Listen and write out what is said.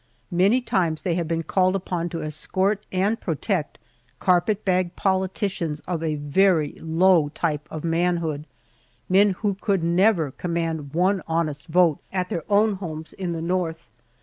Many times they have been called upon to escort and protect carpetbag politicians of a very low type of manhood men who could never command one honest vote at their own homes in the North.